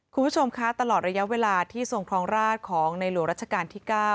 คุณผู้ชมคะตลอดระยะเวลาที่ทรงครองราชของในหลวงรัชกาลที่๙